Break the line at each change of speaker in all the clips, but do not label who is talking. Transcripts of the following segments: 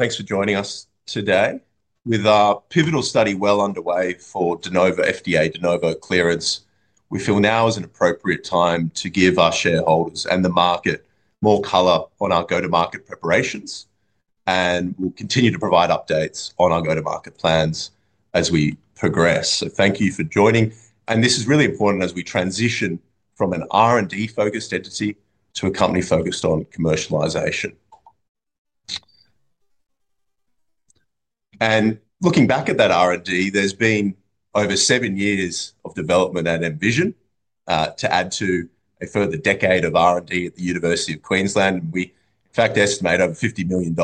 Thanks for joining us today with our pivotal study well underway for De Novo FDA, De Novo clearance. We feel now is an appropriate time to give our shareholders and the market more color on our go-to-market preparations, and we'll continue to provide updates on our go-to-market plans as we progress. Thank you for joining. This is really important as we transition from an R&D-focused entity to a company focused on commercialization. Looking back at that R&D, there's been over seven years of development at EMVision Medical Devices Ltd to add to a further decade of R&D at the University of Queensland. We, in fact, estimate over $50 million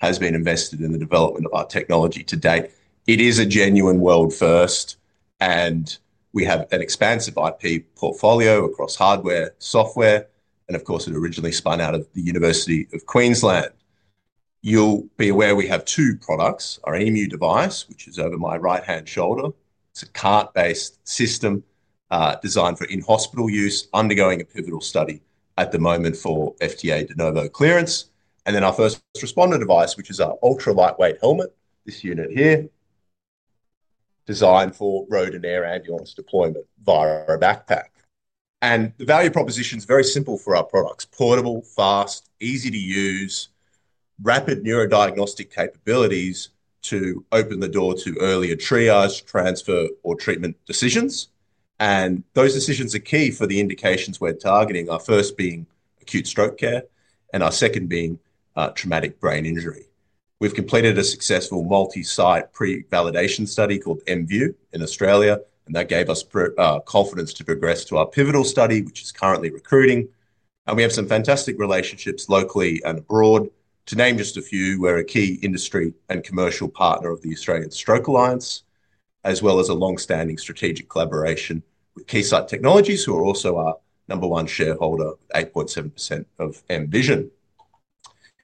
has been invested in the development of our technology to date. It is a genuine world first, and we have an expansive IP portfolio across hardware, software, and of course, it originally spun out of the University of Queensland. You'll be aware we have two products: our EMU™ device, which is over my right-hand shoulder. It's a cart-based system designed for in-hospital use, undergoing a pivotal study at the moment for FDA De Novo clearance. Our First Responder scanner, which is our ultra-lightweight helmet, this unit here, is designed for road and air ambulance deployment via a backpack. The value proposition is very simple for our products: portable, fast, easy to use, rapid neurodiagnostic capabilities to open the door to earlier triage, transfer, or treatment decisions. Those decisions are key for the indications we're targeting, our first being acute stroke care and our second being traumatic brain injury. We've completed a successful multi-site pre-validation study called EMView in Australia, and that gave us confidence to progress to our pivotal study, which is currently recruiting. We have some fantastic relationships locally and abroad. To name just a few, we're a key industry and commercial partner of the Australian Stroke Alliance, as well as a longstanding strategic collaboration with Keysight Technologies, who are also our number one shareholder, 8.7% of EMVision Medical Devices Ltd.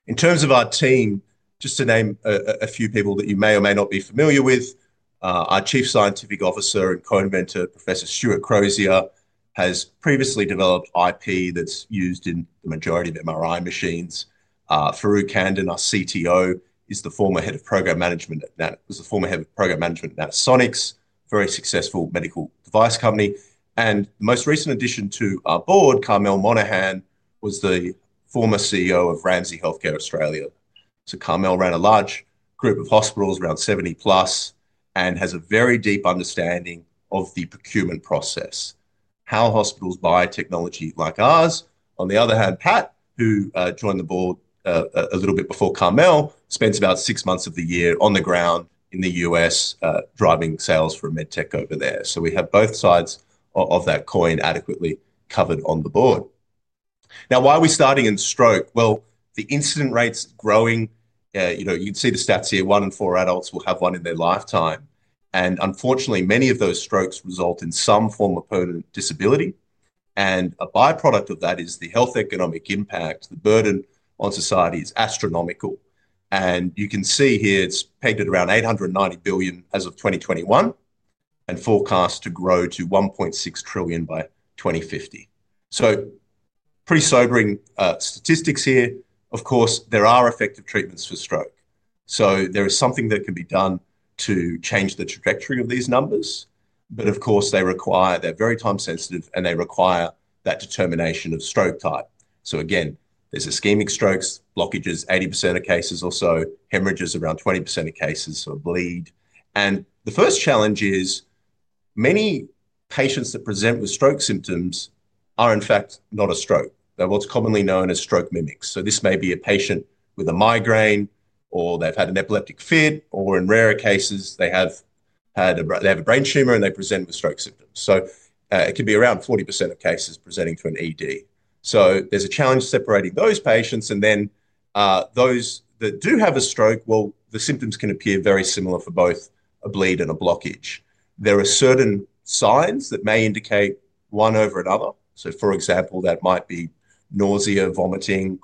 In terms of our team, just to name a few people that you may or may not be familiar with, our Chief Scientific Officer and co-inventor, Professor Stuart Crozier, has previously developed IP that's used in the majority of MRI machines. Farouq Khandan, our CTO, is the former head of program management at Nat... was the former Head of Program Management at Natasonics, a very successful medical device company. The most recent addition to our board, Carmel Monahan, was the former CEO of RANSI Healthcare Australia. Carmel ran a large group of hospitals, around 70 plus, and has a very deep understanding of the procurement process, how hospitals buy technology like ours. On the other hand, Pat, who joined the board a little bit before Carmel, spends about six months of the year on the ground in the U.S., driving sales for MedTech over there. We have both sides of that coin adequately covered on the board. Now, why are we starting in stroke? The incident rate is growing. You can see the stats here. One in four adults will have one in their lifetime. Unfortunately, many of those strokes result in some form of permanent disability. A byproduct of that is the health economic impact. The burden on society is astronomical. You can see here, it's pegged at around $890 billion as of 2021 and forecast to grow to $1.6 trillion by 2050. Pretty sobering statistics here. Of course, there are effective treatments for stroke. There is something that can be done to change the trajectory of these numbers. They require, they're very time sensitive and they require that determination of stroke type. Again, there's ischemic strokes, blockages, 80% of cases or so, hemorrhages, around 20% of cases, or bleed. The first challenge is many patients that present with stroke symptoms are in fact not a stroke. They're what's commonly known as stroke mimics. This may be a patient with a migraine or they've had an epileptic fib, or in rare cases, they have had a brain tumor and they present with stroke symptoms. It could be around 40% of cases presenting to an ED. There's a challenge separating those patients. Then those that do have a stroke, the symptoms can appear very similar for both a bleed and a blockage. There are certain signs that may indicate one over another. For example, that might be nausea, vomiting,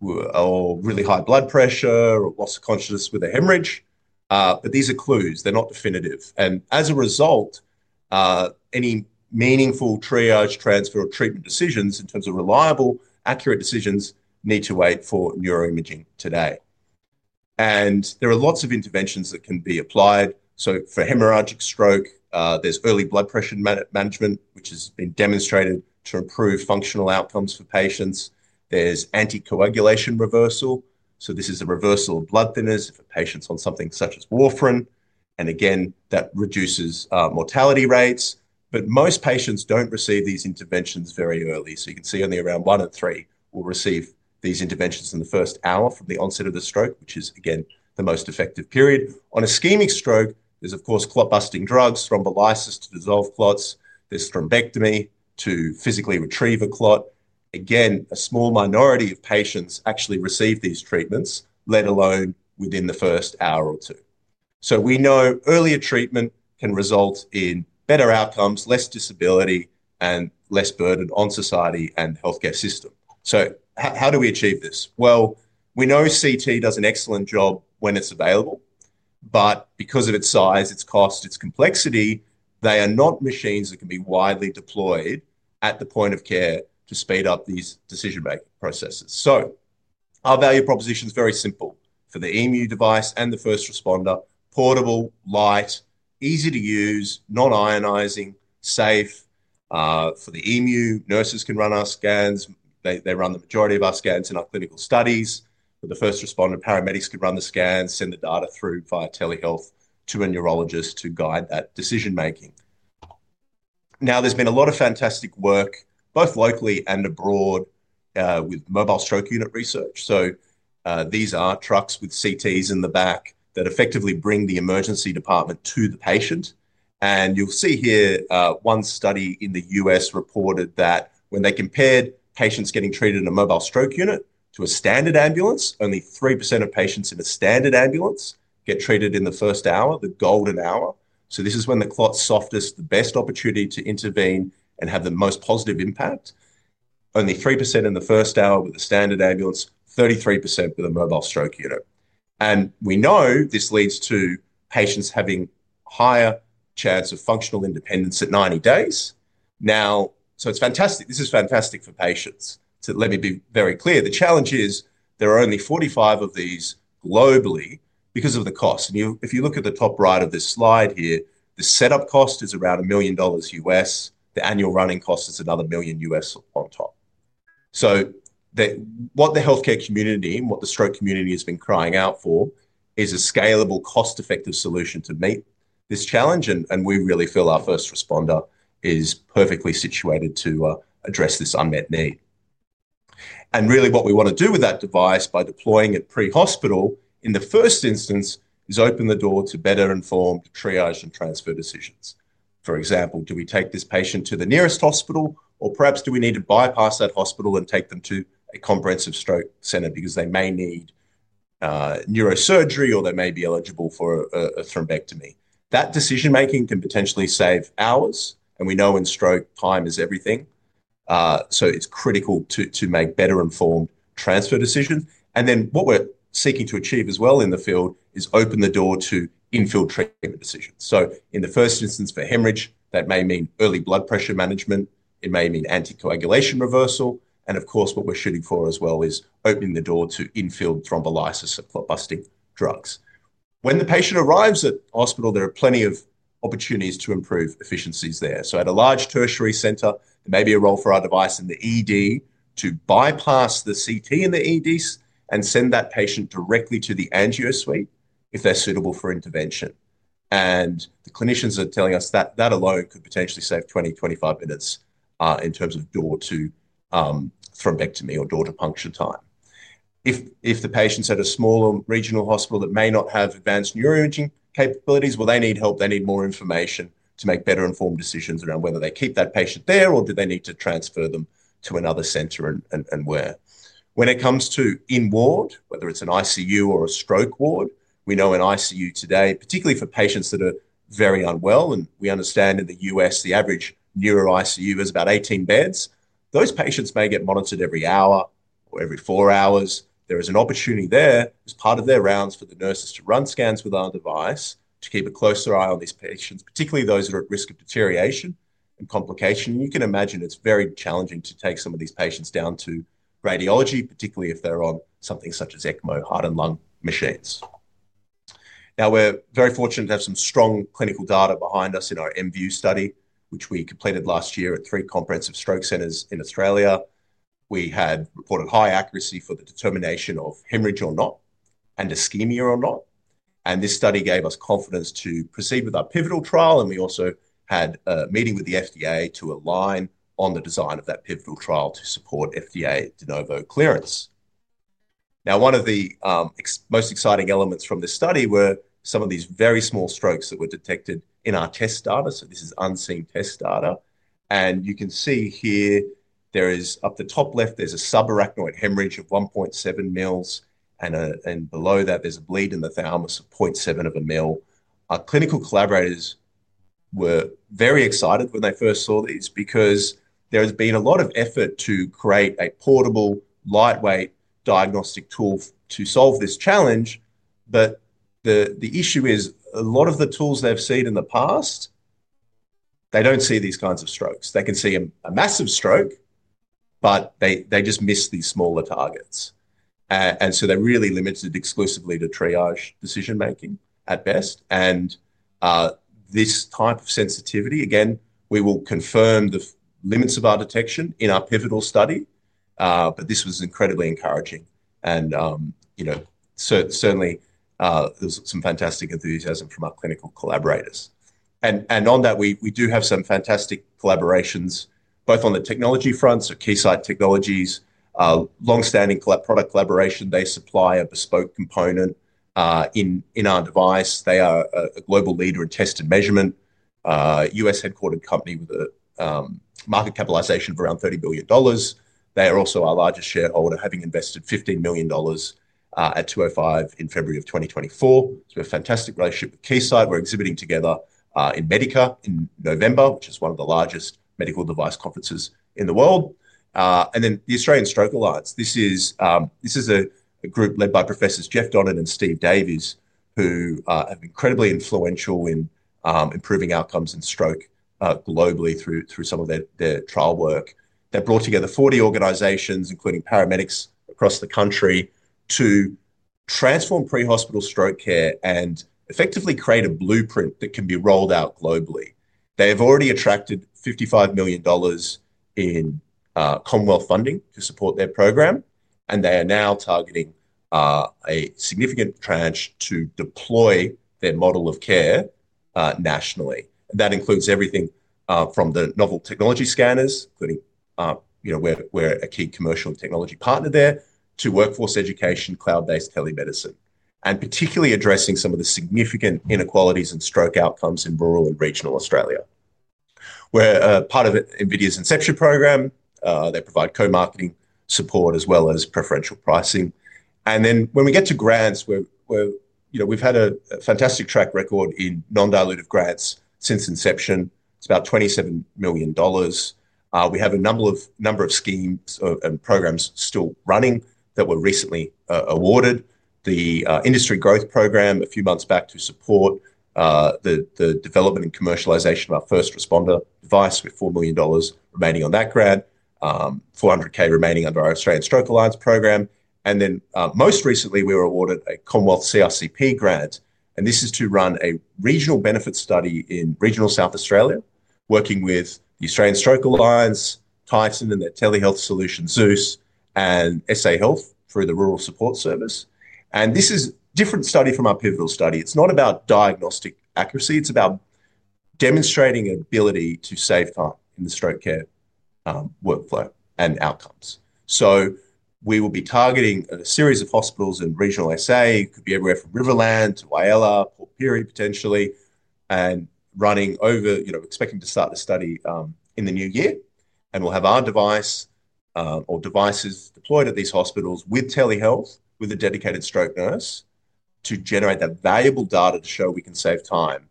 or really high blood pressure, or loss of consciousness with a hemorrhage. These are clues. They're not definitive. As a result, any meaningful triage, transfer, or treatment decisions in terms of reliable, accurate decisions need to wait for neuroimaging today. There are lots of interventions that can be applied. For hemorrhagic stroke, there's early blood pressure management, which has been demonstrated to improve functional outcomes for patients. There's anticoagulation reversal. This is a reversal of blood thinners for patients on something such as warfarin, and again, that reduces mortality rates. Most patients don't receive these interventions very early. Only around one in three will receive these interventions in the first hour from the onset of the stroke, which is the most effective period. On ischemic stroke, there's of course clot-busting drugs, thrombolysis to dissolve clots. There's thrombectomy to physically retrieve a clot. A small minority of patients actually receive these treatments, let alone within the first hour or two. Earlier treatment can result in better outcomes, less disability, and less burden on society and the healthcare system. How do we achieve this? CT does an excellent job when it's available. Because of its size, its cost, its complexity, they are not machines that can be widely deployed at the point of care to speed up these decision-making processes. Our value proposition is very simple. For the EMU™ device and the First Responder scanner: portable, light, easy to use, non-ionizing, safe. For the EMU™ device, nurses can run our scans. They run the majority of our scans in our clinical studies. For the First Responder scanner, paramedics can run the scans, send the data through via telehealth to a neurologist to guide that decision-making. There has been a lot of fantastic work, both locally and abroad, with mobile stroke unit research. These are trucks with CTs in the back that effectively bring the emergency department to the patient. One study in the United States reported that when they compared patients getting treated in a mobile stroke unit to a standard ambulance, only 3% of patients in a standard ambulance get treated in the first hour, the golden hour. This is when the clot is softest, the best opportunity to intervene and have the most positive impact. Only 3% in the first hour with a standard ambulance, 33% with a mobile stroke unit. This leads to patients having higher chance of functional independence at 90 days. This is fantastic for patients. Let me be very clear. The challenge is there are only 45 of these globally because of the cost. If you look at the top right of this slide here, the setup cost is around $1 million U.S. The annual running cost is another $1 million U.S. on top. What the healthcare community and what the stroke community has been crying out for is a scalable, cost-effective solution to meet this challenge. We really feel our First Responder scanner is perfectly situated to address this unmet need. What we want to do with that device by deploying it pre-hospital in the first instance is open the door to better informed triage and transfer decisions. For example, do we take this patient to the nearest hospital, or perhaps do we need to bypass that hospital and take them to a comprehensive stroke center because they may need neurosurgery or they may be eligible for a thrombectomy? That decision-making can potentially save hours. We know in stroke, time is everything. It is critical to make better-informed transfer decisions. What we're seeking to achieve as well in the field is open the door to infield treatment decisions. In the first instance for hemorrhage, that may mean early blood pressure management. It may mean anticoagulation reversal. What we're shooting for as well is opening the door to infield thrombolysis and clot-busting drugs. When the patient arrives at the hospital, there are plenty of opportunities to improve efficiencies there. At a large tertiary center, maybe a role for our device in the ED to bypass the CT in the ED and send that patient directly to the angio suite if they're suitable for intervention. The clinicians are telling us that that alone could potentially save 20, 25 minutes in terms of door-to-thrombectomy or door-to-puncture time. If the patient's at a smaller regional hospital that may not have advanced neuroimaging capabilities, will they need help? They need more information to make better-informed decisions around whether they keep that patient there or do they need to transfer them to another center and where. When it comes to in-ward, whether it's an ICU or a stroke ward, we know an ICU today, particularly for patients that are very unwell, and we understand in the U.S. the average neuro ICU has about 18 beds. Those patients may get monitored every hour or every four hours. There is an opportunity there as part of their rounds for the nurses to run scans with our device to keep a closer eye on these patients, particularly those that are at risk of deterioration and complication. You can imagine it's very challenging to take some of these patients down to radiology, particularly if they're on something such as ECMO, heart and lung machines. We're very fortunate to have some strong clinical data behind us in our EMView study, which we completed last year at three comprehensive stroke centers in Australia. We had reported high accuracy for the determination of hemorrhage or not and ischemia or not. This study gave us confidence to proceed with our pivotal trial. We also had a meeting with the FDA to align on the design of that pivotal trial to support FDA De Novo clearance. One of the most exciting elements from this study were some of these very small strokes that were detected in our test data. This is unseen test data. You can see here, up at the top left, there's a subarachnoid hemorrhage of 1.7 mL, and below that, there's a bleed in the thalamus of 0.7 mL. Our clinical collaborators were very excited when they first saw these because there has been a lot of effort to create a portable, lightweight diagnostic tool to solve this challenge. The issue is a lot of the tools they've seen in the past don't see these kinds of strokes. They can see a massive stroke, but they just miss these smaller targets. They're really limited exclusively to triage decision-making at best. This type of sensitivity, again, we will confirm the limits of our detection in our pivotal study. This was incredibly encouraging. Certainly, there's some fantastic enthusiasm from our clinical collaborators. We do have some fantastic collaborations both on the technology front, so Keysight Technologies, longstanding product collaboration. They supply a bespoke component in our device. They are a global leader in test and measurement, a U.S.-headquartered company with a market capitalization of around $30 billion. They are also our largest shareholder, having invested $15 million at $2.05 in February of 2024. We have a fantastic relationship with Keysight. We're exhibiting together in MEDICAR in November, which is one of the largest medical device conferences in the world. The Australian Stroke Alliance is a group led by Professors Jeff Donen and Steve Davies, who are incredibly influential in improving outcomes in stroke globally through some of their trial work. They brought together 40 organizations, including paramedics across the country, to transform pre-hospital stroke care and effectively create a blueprint that can be rolled out globally. They have already attracted $55 million in Commonwealth funding to support their program. They are now targeting a significant tranche to deploy their model of care nationally. That includes everything from the novel technology scanners, including we're a key commercial and technology partner there, to workforce education, cloud-based telemedicine, and particularly addressing some of the significant inequalities in stroke outcomes in rural and regional Australia. We're part of NVIDIA's Inception program. They provide co-marketing support as well as preferential pricing. When we get to grants, we've had a fantastic track record in non-dilutive grants since inception. It's about $27 million. We have a number of schemes and programs still running that were recently awarded. The Industry Growth Program, a few months back, to support the development and commercialization of our First Responder scanner with $4 million remaining on that grant, $0.4 million remaining under our Australian Stroke Alliance program. Most recently, we were awarded a Commonwealth CRCP grant. This is to run a regional benefits study in regional South Australia, working with the Australian Stroke Alliance, Tyson and their telehealth solution, Zeus, and SA Health through the Rural Support Service. This is a different study from our pivotal study. It's not about diagnostic accuracy. It's about demonstrating the ability to save time in the stroke care workflow and outcomes. We will be targeting a series of hospitals in regional South Australia. It could be everywhere from Riverland to Whyalla, Huron potentially, and running over, expecting to start the study in the new year. We'll have our device or devices deployed at these hospitals with telehealth, with a dedicated stroke nurse to generate that valuable data to show we can save time.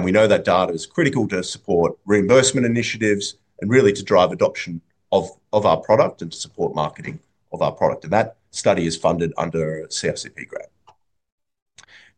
We know that data is critical to support reimbursement initiatives and really to drive adoption of our product and to support marketing of our product. That study is funded under a CRCP grant.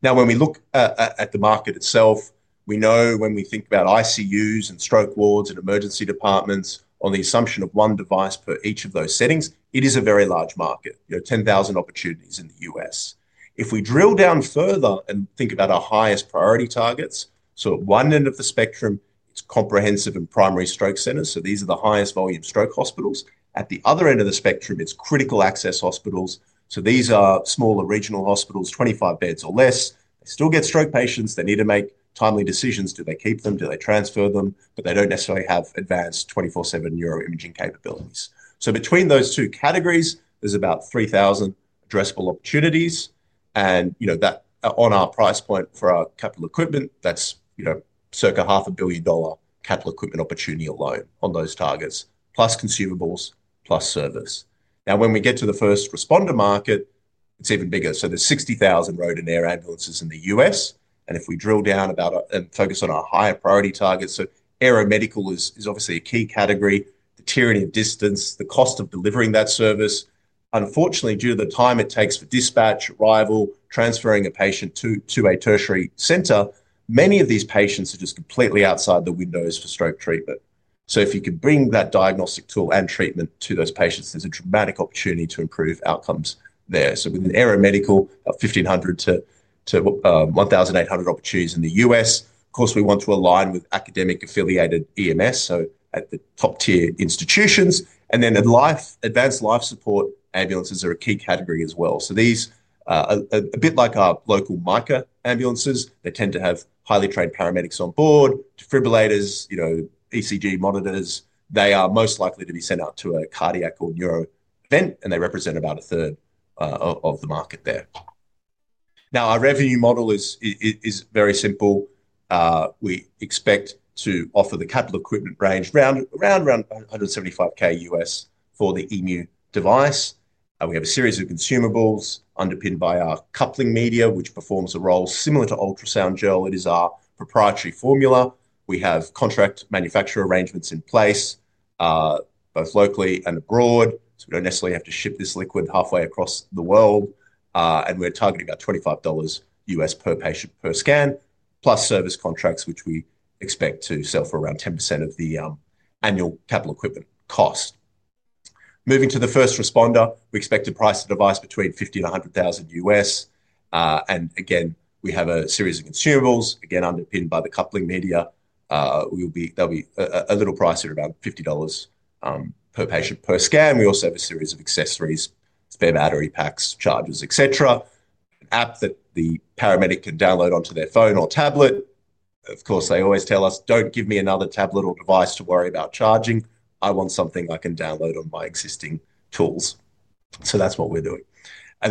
Now, when we look at the market itself, we know when we think about ICUs and stroke wards and emergency departments on the assumption of one device per each of those settings, it is a very large market. You know, 10,000 opportunities in the U.S. If we drill down further and think about our highest priority targets, at one end of the spectrum, it's comprehensive and primary stroke centers. These are the highest volume stroke hospitals. At the other end of the spectrum, it's critical access hospitals. These are smaller regional hospitals, 25 beds or less. They still get stroke patients. They need to make timely decisions. Do they keep them? Do they transfer them? They don't necessarily have advanced 24/7 neuroimaging capabilities. Between those two categories, there's about 3,000 addressable opportunities. On our price point for our capital equipment, that's circa half a billion dollar capital equipment opportunity alone on those targets, plus consumables, plus service. When we get to the First Responder market, it's even bigger. There are 60,000 road and air ambulances in the U.S. If we drill down and focus on our higher priority targets, aeromedical is obviously a key category. The tyranny of distance, the cost of delivering that service. Unfortunately, due to the time it takes for dispatch, arrival, transferring a patient to a tertiary center, many of these patients are just completely outside the windows for stroke treatment. If you can bring that diagnostic tool and treatment to those patients, there's a dramatic opportunity to improve outcomes there. With aeromedical, 1,500 to 1,800 opportunities in the U.S. Of course, we want to align with academic-affiliated EMS, at the top-tier institutions. Advanced life support ambulances are a key category as well. These, a bit like our local MACA ambulances, tend to have highly trained paramedics on board, defibrillators, ECG monitors. They are most likely to be sent out to a cardiac or neuro event, and they represent about a third of the market there. Our revenue model is very simple. We expect to offer the capital equipment range around $175,000 U.S. for the EMU™ device. We have a series of consumables underpinned by our coupling media, which performs a role similar to ultrasound gel. It is our proprietary formula. We have contract manufacturer arrangements in place, both locally and abroad. We don't necessarily have to ship this liquid halfway across the world. We're targeting about $25 US per patient per scan, plus service contracts, which we expect to sell for around 10% of the annual capital equipment cost. Moving to the First Responder, we expect to price the device between $15,000 and $100,000 US. We have a series of consumables, again underpinned by the coupling media. They'll be priced at around $50 per patient per scan. We also have a series of accessories, spare battery packs, chargers, et cetera, and an app that the paramedic can download onto their phone or tablet. Of course, they always tell us, don't give me another tablet or device to worry about charging. I want something I can download on my existing tools. That's what we're doing.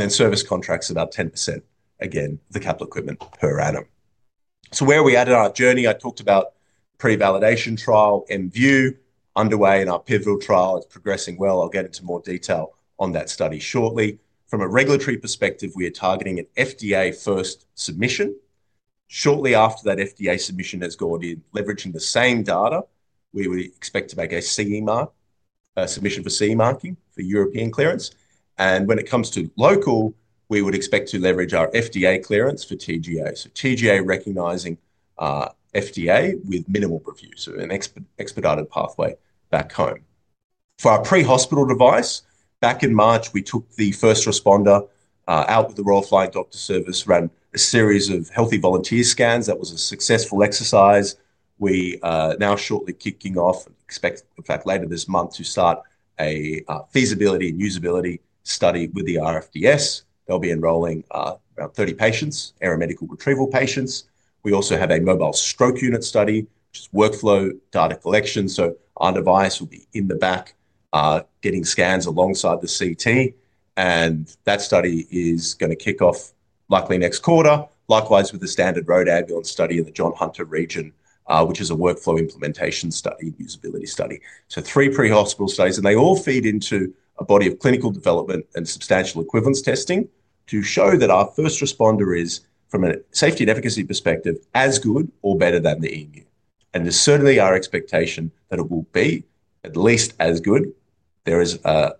Service contracts are at about 10% of the capital equipment per annum. Where we are at in our journey, I talked about the pre-validation trial, EMView, underway in our pivotal trial. It's progressing well. I'll get into more detail on that study shortly. From a regulatory perspective, we are targeting an FDA-first submission. Shortly after that FDA submission has gone in, leveraging the same data, we would expect to make a CE mark submission for CE marking for European clearance. When it comes to local, we would expect to leverage our FDA clearance for TGA, so TGA recognizing our FDA with minimal review. That is an expedited pathway back home. For our pre-hospital device, back in March, we took the First Responder out with the Royal Flying Doctor Service, ran a series of healthy volunteer scans. That was a successful exercise. We are now shortly kicking off and expect, in fact, later this month to start a feasibility and usability study with the RFDS. They'll be enrolling around 30 patients, aeromedical retrieval patients. We also have a mobile stroke unit study, just workflow data collection. Our device will be in the back getting scans alongside the CT. That study is going to kick off likely next quarter. Likewise, with the standard road ambulance study in the John Hunter region, which is a workflow implementation study, usability study. Three pre-hospital studies, and they all feed into a body of clinical development and substantial equivalence testing to show that our First Responder is, from a safety and efficacy perspective, as good or better than the EMU. It's certainly our expectation that it will be at least as good. There is a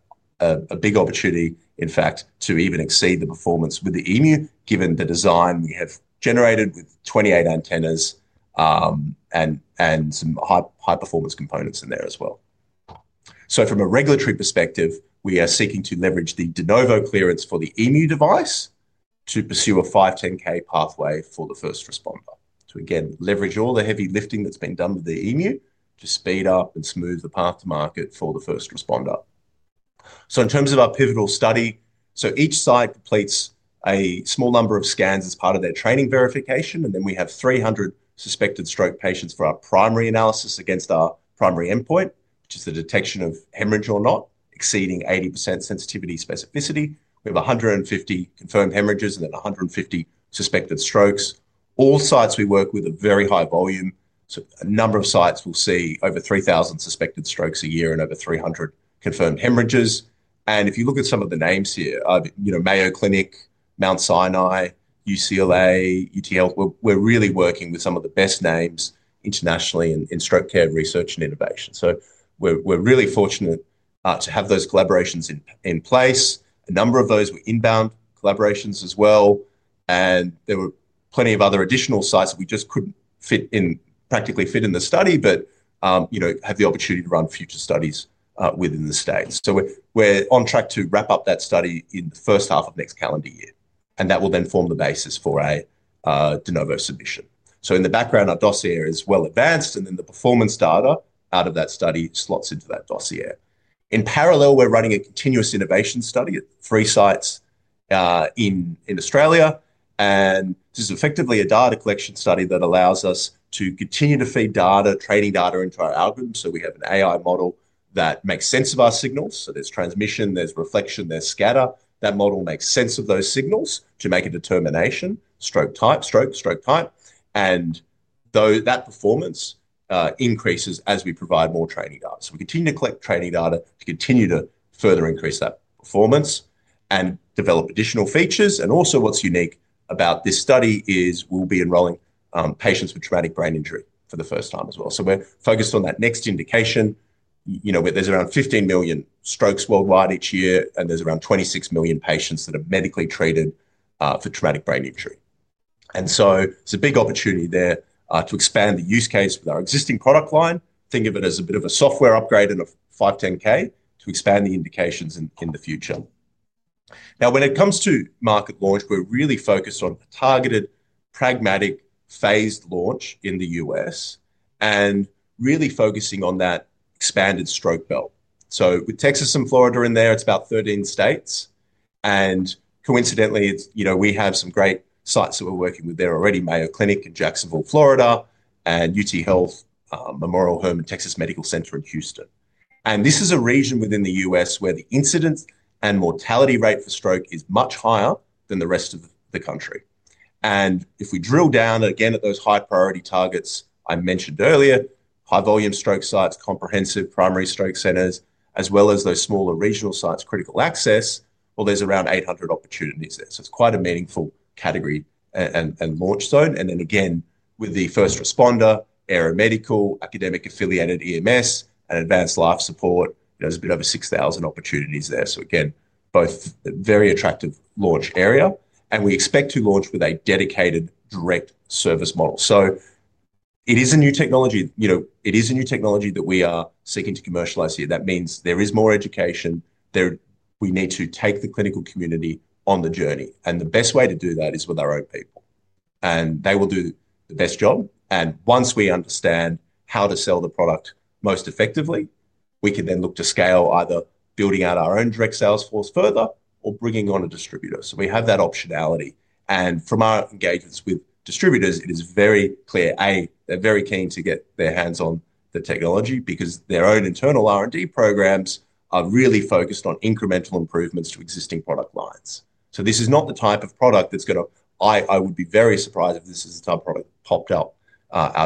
big opportunity, in fact, to even exceed the performance with the EMU™ Bedside Scanner, given the design we have generated with 28 antennas and some high-performance components in there as well. From a regulatory perspective, we are seeking to leverage the De Novo clearance for the EMU™ device to pursue a 510K pathway for the First Responder scanner. Again, leverage all the heavy lifting that's being done with the EMU™ Bedside Scanner to speed up and smooth the path to market for the First Responder scanner. In terms of our pivotal study, each site completes a small number of scans as part of their training verification. We have 300 suspected stroke patients for our primary analysis against our primary endpoint, which is the detection of hemorrhage or not, exceeding 80% sensitivity specificity. We have 150 confirmed hemorrhages and 150 suspected strokes. All sites we work with are very high volume. A number of sites will see over 3,000 suspected strokes a year and over 300 confirmed hemorrhages. If you look at some of the names here, you know, Mayo Clinic, Mount Sinai, UCLA, UT Health, we're really working with some of the best names internationally in stroke care research and innovation. We're really fortunate to have those collaborations in place. A number of those were inbound collaborations as well. There were plenty of other additional sites that we just couldn't practically fit in the study, but have the opportunity to run future studies within the United States. We're on track to wrap up that study in the first half of next calendar year. That will then form the basis for a De Novo submission. In the background, our dossier is well advanced. The performance data out of that study slots into that dossier. In parallel, we're running a continuous innovation study at three sites in Australia. This is effectively a data collection study that allows us to continue to feed training data into our algorithm. We have an AI model that makes sense of our signals. There's transmission, there's reflection, there's scatter. That model makes sense of those signals to make a determination, stroke type, stroke, stroke type. That performance increases as we provide more training data. We continue to collect training data to continue to further increase that performance and develop additional features. What's unique about this study is we'll be enrolling patients with traumatic brain injury for the first time as well. We're focused on that next indication. There's around 15 million strokes worldwide each year, and there's around 26 million patients that are medically treated for traumatic brain injury. It's a big opportunity to expand the use case with our existing product line. Think of it as a bit of a software upgrade and a 510K to expand the indications in the future. When it comes to market launch, we're really focused on targeted, pragmatic, phased launch in the U.S. and really focusing on that expanded stroke belt. With Texas and Florida in there, it's about 13 states. Coincidentally, we have some great sites that we're working with there already: Mayo Clinic in Jacksonville, Florida, and UT Health, Memorial Hermann Texas Medical Center in Houston. This is a region within the U.S. where the incidence and mortality rate for stroke is much higher than the rest of the country. If we drill down again at those high priority targets I mentioned earlier—high volume stroke sites, comprehensive primary stroke centers, as well as those smaller regional sites, critical access—there's around 800 opportunities there. It's quite a meaningful category and launch zone. With the First Responder, aeromedical, academic affiliated EMS, and advanced life support, there's a bit over 6,000 opportunities there. Both are very attractive launch areas. We expect to launch with a dedicated direct service model. It is a new technology that we are seeking to commercialize here. That means there is more education. We need to take the clinical community on the journey, and the best way to do that is with our own people. They will do the best job. Once we understand how to sell the product most effectively, we can then look to scale, either building out our own direct sales force further or bringing on a distributor. We have that optionality. From our engagements with distributors, it is very clear they are very keen to get their hands on the technology because their own internal R&D programs are really focused on incremental improvements to existing product lines. This is not the type of product that's going to—I would be very surprised if this is a top product that popped out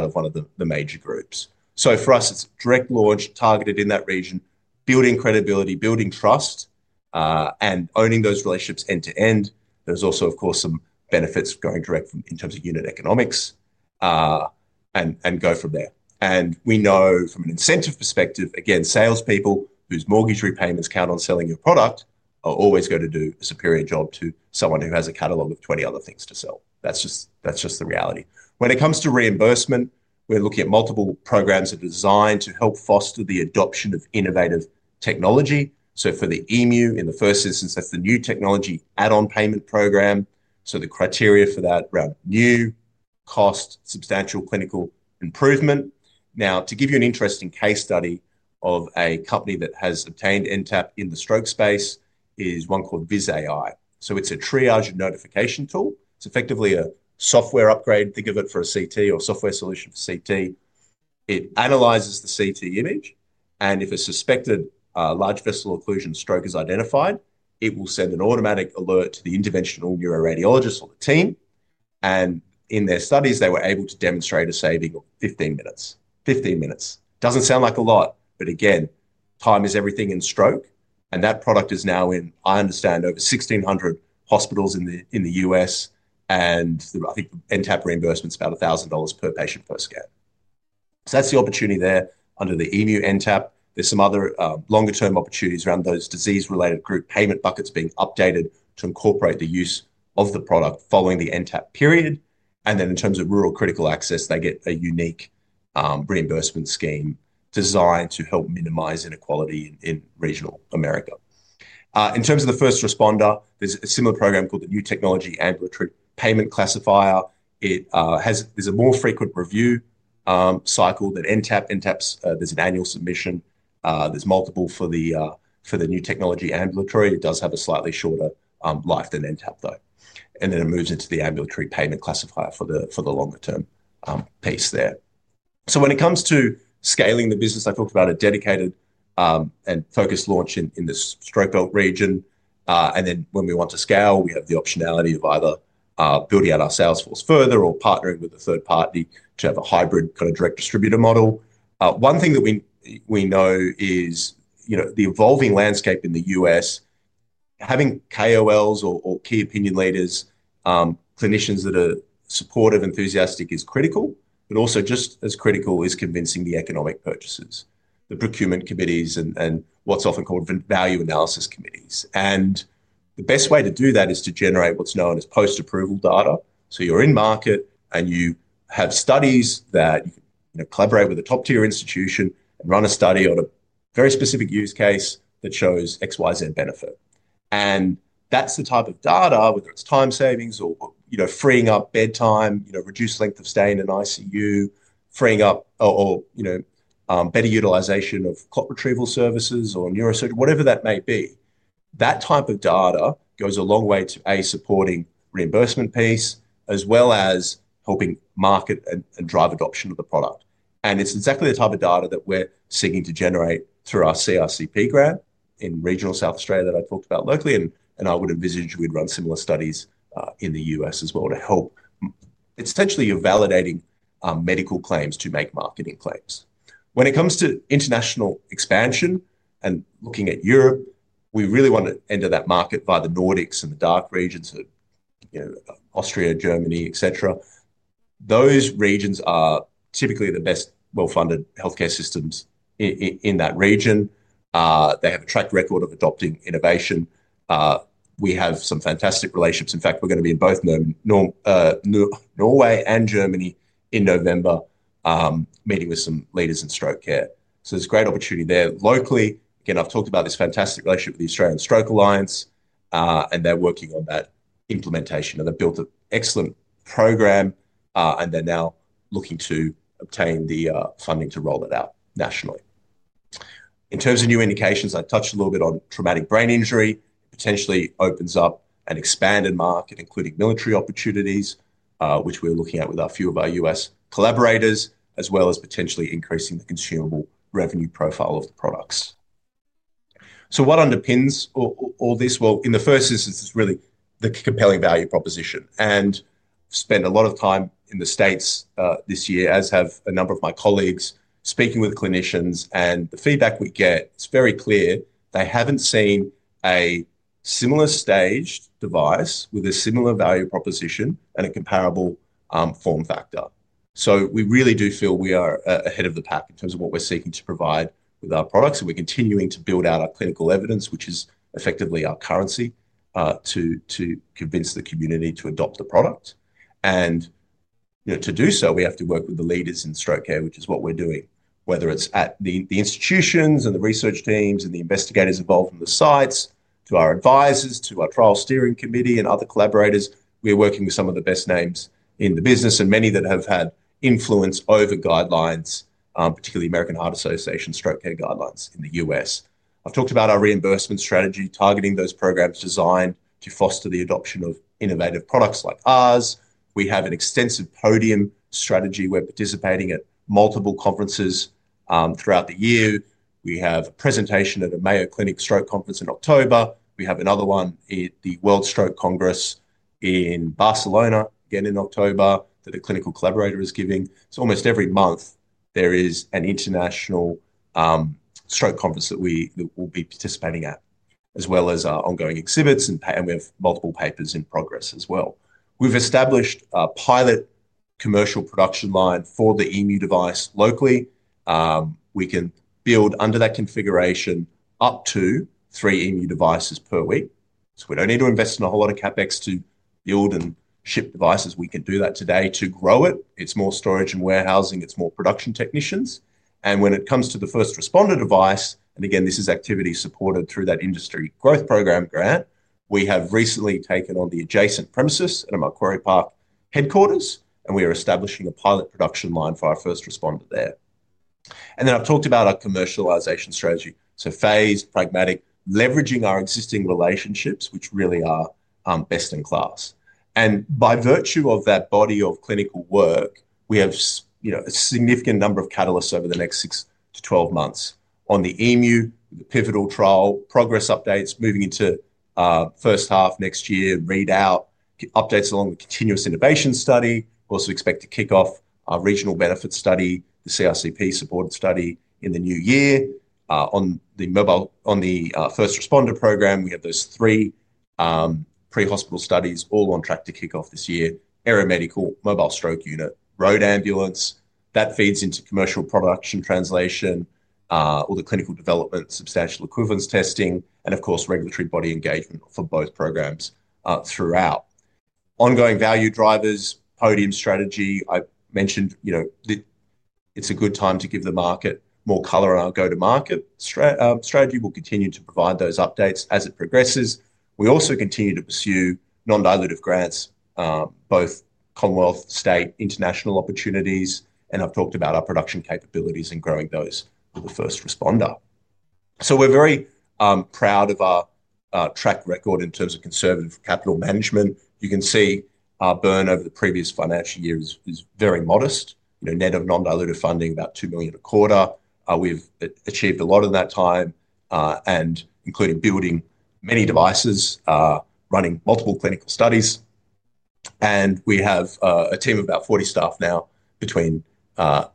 of one of the major groups. For us, it's direct launch targeted in that region, building credibility, building trust, and owning those relationships end to end. There's also, of course, some benefits of going direct in terms of unit economics and go from there. We know from an incentive perspective, again, salespeople whose mortgage repayments count on selling your product are always going to do a superior job to someone who has a catalog of 20 other things to sell. That's just the reality. When it comes to reimbursement, we're looking at multiple programs that are designed to help foster the adoption of innovative technology. For the EMU™ Bedside Scanner, in the first instance, that's the New Technology Add-on Payment program. The criteria for that are new, cost, substantial clinical improvement. To give you an interesting case study of a company that has obtained NTAP in the stroke space, one called VizAI, it's a triage and notification tool. It's effectively a software upgrade. Think of it for a CT or a software solution for CT. It analyzes the CT image, and if a suspected large vessel occlusion stroke is identified, it will send an automatic alert to the interventional neuroradiologist or the team. In their studies, they were able to demonstrate a saving of 15 minutes. Fifteen minutes doesn't sound like a lot, but again, time is everything in stroke. That product is now in, I understand, over 1,600 hospitals in the U.S. I think NTAP reimbursement is about $1,000 per patient per scan. That's the opportunity there under the EMU™ NTAP. There are some other longer-term opportunities around those disease-related group payment buckets being updated to incorporate the use of the product following the NTAP period. In terms of rural critical access, they get a unique reimbursement scheme designed to help minimize inequality in regional America. In terms of the First Responder scanner, there's a similar program called the New Technology Ambulatory Payment Classifier. It has a more frequent review cycle than NTAP. NTAP, there's an annual submission. There are multiple for the New Technology Ambulatory. It does have a slightly shorter life than NTAP, though, and then it moves into the Ambulatory Payment Classifier for the longer-term piece there. When it comes to scaling the business, I talked about a dedicated and focused launch in the U.S. stroke belt region. When we want to scale, we have the optionality of either building out our sales force further or partnering with a third party to have a hybrid kind of direct distributor model. One thing that we know is the evolving landscape in the U.S., having KOLs or key opinion leaders, clinicians that are supportive, enthusiastic is critical, but also just as critical is convincing the economic purchasers, the procurement committees, and what's often called value analysis committees. The best way to do that is to generate what's known as post-approval data. You're in market and you have studies that you can collaborate with a top-tier institution, run a study on a very specific use case that shows X, Y, Z benefit. That's the type of data, whether it's time savings or freeing up bed time, reduced length of stay in an ICU, freeing up or better utilization of clot retrieval services or neurosurgery, whatever that may be. That type of data goes a long way to, A, supporting reimbursement piece, as well as helping market and drive adoption of the product. It's exactly the type of data that we're seeking to generate through our CRCP grant in regional South Australia that I talked about locally. I would envisage we'd run similar studies in the U.S. as well to help. It's essentially you're validating medical claims to make marketing claims. When it comes to international expansion and looking at Europe, we really want to enter that market by the Nordics and the DACH regions of Austria, Germany, et cetera. Those regions are typically the best well-funded healthcare systems in that region. They have a track record of adopting innovation. We have some fantastic relationships. In fact, we're going to be in both Norway and Germany in November, meeting with some leaders in stroke care. There's a great opportunity there locally. Again, I've talked about this fantastic relationship with the Australian Stroke Alliance, and they're working on that implementation. They've built an excellent program, and they're now looking to obtain the funding to roll that out nationally. In terms of new indications, I touched a little bit on traumatic brain injury, potentially opens up an expanded market, including military opportunities, which we're looking at with a few of our U.S. collaborators, as well as potentially increasing the consumable revenue profile of the products. What underpins all this? In the first instance, it's really the compelling value proposition. I've spent a lot of time in the United States this year, as have a number of my colleagues, speaking with clinicians. The feedback we get is very clear. They haven't seen a similar staged device with a similar value proposition and a comparable form factor. We really do feel we are ahead of the pack in terms of what we're seeking to provide with our products. We're continuing to build out our clinical evidence, which is effectively our currency, to convince the community to adopt the product. To do so, we have to work with the leaders in stroke care, which is what we're doing. Whether it's at the institutions and the research teams and the investigators involved in the sites, to our advisors, to our trial steering committee and other collaborators, we're working with some of the best names in the business and many that have had influence over guidelines, particularly American Heart Association stroke care guidelines in the United States. I've talked about our reimbursement strategy, targeting those programs designed to foster the adoption of innovative products like ours. We have an extensive podium strategy. We're participating at multiple conferences throughout the year. We have a presentation at a Mayo Clinic stroke conference in October. We have another one at the World Stroke Congress in Barcelona, again in October, that a clinical collaborator is giving. Almost every month, there is an international stroke conference that we will be participating at, as well as ongoing exhibits. We have multiple papers in progress as well. We've established a pilot commercial production line for the EMU™ device locally. We can build under that configuration up to three EMU™ devices per week. We don't need to invest in a whole lot of CapEx to build and ship devices. We can do that today to grow it. It's more storage and warehousing. It's more production technicians. When it comes to the First Responder scanner, and again, this is activity supported through that industry growth program grant, we have recently taken on the adjacent premises at our Macquarie Park headquarters, and we are establishing a pilot production line for our First Responder scanner there. I've talked about our commercialization strategy. Phased, pragmatic, leveraging our existing relationships, which really are best in class. By virtue of that body of clinical work, we have a significant number of catalysts over the next six to twelve months on the EMU™ Bedside Scanner pivotal trial, progress updates, moving into the first half next year, readout, updates along the continuous innovation study. We also expect to kick off our regional benefits study, the CRCP-supported study in the new year. On the mobile, on the First Responder scanner program, we have those three pre-hospital studies all on track to kick off this year: aeromedical, mobile stroke unit, road ambulance. That feeds into commercial production translation, all the clinical development, substantial equivalence testing, and of course, regulatory body engagement for both programs throughout. Ongoing value drivers, podium strategy, it's a good time to give the market more color in our go-to-market strategy. We'll continue to provide those updates as it progresses. We also continue to pursue non-dilutive grants, both Commonwealth, state, international opportunities. I've talked about our production capabilities and growing those for the First Responder scanner. We're very proud of our track record in terms of conservative capital management. You can see our burn over the previous financial year is very modest. Net of non-dilutive funding, about $2 million a quarter. We've achieved a lot in that time, including building many devices, running multiple clinical studies. We have a team of about 40 staff now between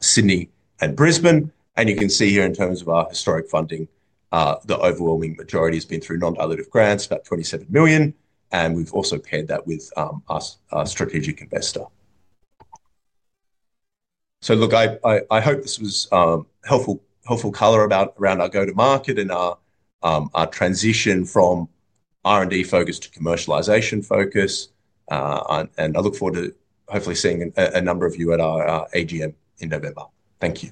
Sydney and Brisbane. You can see here in terms of our historic funding, the overwhelming majority has been through non-dilutive grants, about $27 million. We've also paired that with our strategic investor in Brisbane. I hope this was helpful color around our go-to-market and our transition from R&D focus to commercialization focus. I look forward to hopefully seeing a number of you at our AGM in November. Thank you.